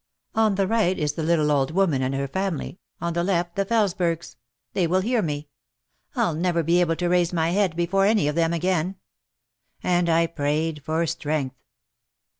"On the right is the little old woman and her family, on the left the Felesbergs. They will hear me. I'll never be able to raise my head before any of them again." And I prayed for strength.